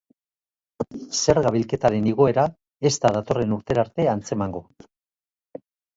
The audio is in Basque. Zerga bilketaren igoera ez da datorren urterarte antzemango.